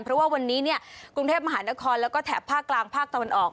เพราะว่าวันนี้เนี่ยกรุงเทพมหานครแล้วก็แถบภาคกลางภาคตะวันออก